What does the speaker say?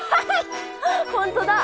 本当だ！